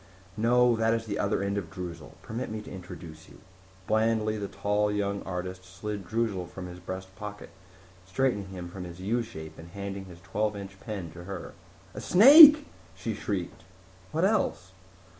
"No, that is the other end of Droozle. Permit me to introduce you." Blandly the tall, young artist slid Droozle from his breast pocket, straightened him from his U shape and handed his twelve inch pen to her. "A snake!" she shrieked. "What else?"